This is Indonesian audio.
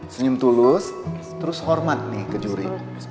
senyum tulus terus hormat nih ke juri